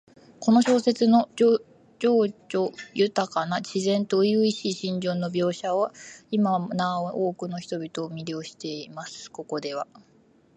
この小説の叙情豊かな自然と初々しい心情の描写は、今なお多くの人々を魅了しています。ここでは、